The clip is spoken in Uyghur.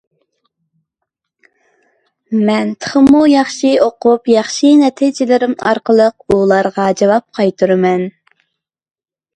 مەن تېخىمۇ ياخشى ئوقۇپ، ياخشى نەتىجىلىرىم ئارقىلىق ئۇلارغا جاۋاب قايتۇرىمەن.